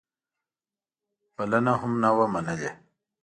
بلنه هم نه وه منلې.